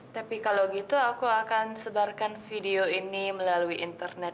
tapi kalau gitu aku akan sebarkan video ini melalui internet